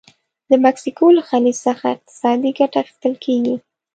د مکسیکو له خلیج څخه څه اقتصادي ګټه اخیستل کیږي؟